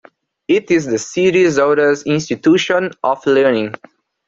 It is the city's oldest institution of learning.